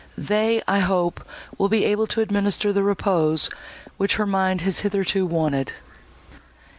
They, I hope, will be able to administer the repose, which her mind has hitherto wanted."